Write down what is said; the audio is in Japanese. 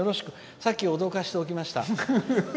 さっき脅かしておきました。